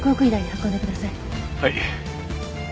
はい。